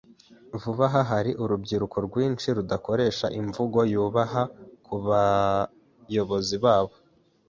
Vuba aha hari urubyiruko rwinshi rudakoresha imvugo yubaha kubayobozi babo.